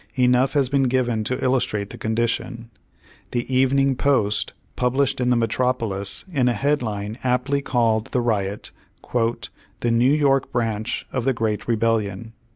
Enough has been given to illustrate the condition. The Evening Post, published in the metropolis, in a headline aptly called the riot "the New York Branch of the Great Rebellion."